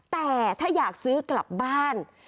แต่ถ้าอยากซื้อกลับบ้าน